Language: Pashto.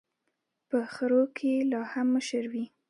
په خرو کي لا هم مشر وي.